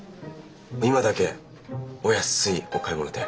今だけお安いお買い物で。